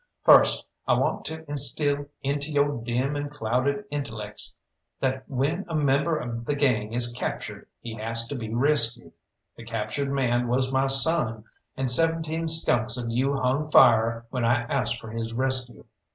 "First, I want to instil into yo' dim and clouded intellecks that when a member of the gang is captured he has to be rescued. The captured man was my son, and seventeen skunks of you hung fire when I asked for his rescue.